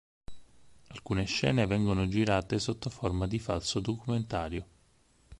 Alcune scene vengono girate sotto forma di falso documentario.